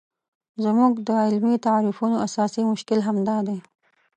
زموږ د علمي تعریفونو اساسي مشکل همدا دی.